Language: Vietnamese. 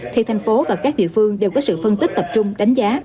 thì thành phố và các địa phương đều có sự phân tích tập trung đánh giá